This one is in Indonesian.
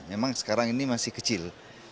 memang sekarang ini masih kecil